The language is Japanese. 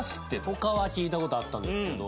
他は聞いた事あったんですけど。